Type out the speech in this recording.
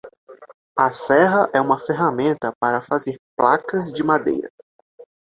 A serra é uma ferramenta para fazer placas de madeira.